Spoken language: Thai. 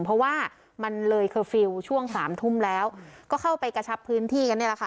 เพราะว่ามันเลยเคอร์ฟิลล์ช่วงสามทุ่มแล้วก็เข้าไปกระชับพื้นที่กันเนี่ยแหละค่ะ